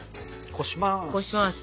こします。